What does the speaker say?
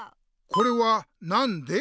これはなんで？